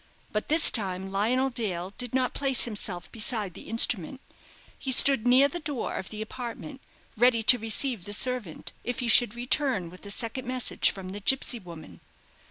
But this time Lionel Dale did not place himself beside the instrument. He stood near the door of the apartment, ready to receive the servant, if he should return with a second message from the gipsy woman.